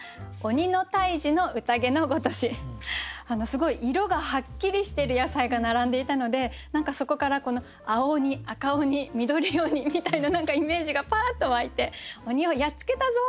すごい色がはっきりしてる野菜が並んでいたので何かそこから青鬼赤鬼緑鬼みたいなイメージがパッと湧いて鬼をやっつけたぞ！